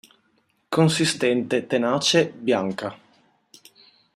Consistente, tenace, bianca.